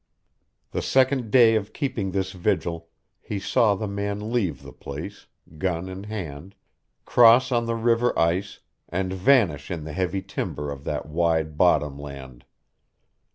The second day of keeping this vigil he saw the man leave the place, gun in hand, cross on the river ice and vanish in the heavy timber of that wide bottom land.